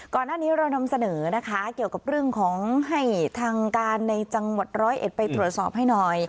ก่อนหน้านี้เรานำเสนอนะคะเกี่ยวกับเรื่องของให้ทางการในจังหวัดร้อยเอ็ดไปตรวจสอบให้หน่อย